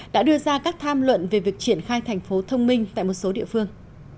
đã đưa ra các tham luận về việc triển khai thành phố thông minh tại một số địa phương